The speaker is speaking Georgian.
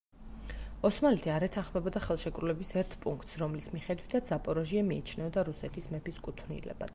ოსმალეთი არ ეთანხმებოდა ხელშეკრულების ერთ პუნქტს, რომლის მიხედვითაც ზაპოროჟიე მიიჩნეოდა რუსეთის მეფის კუთვნილებად.